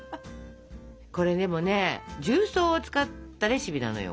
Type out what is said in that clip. これでもね重曹を使ったレシピなのよ。